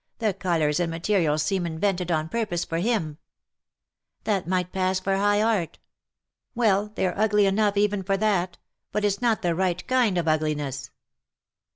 The colours and materials seem invented on purpose for him/^ " That might pass for high art." ' Well^ they^re ugly enough even for that ; but it^s not the right kind of ugliness.